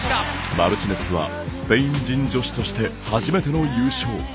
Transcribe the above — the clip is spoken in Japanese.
マルチネスはスペイン人女子として初めての優勝。